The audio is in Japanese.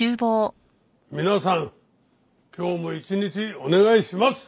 皆さん今日も一日お願いします！